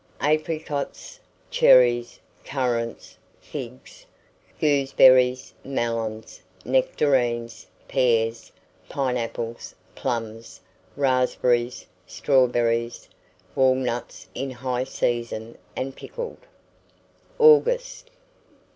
Apricots, cherries, currants, figs, gooseberries, melons, nectarines, pears, pineapples, plums, raspberries, strawberries, walnuts in high season, and pickled. AUGUST.